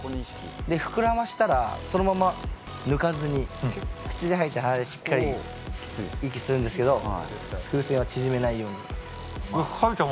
膨らませたら、そのまま抜かずに、口で吐いて鼻でしっかり息するんですけど、風船は縮めないように。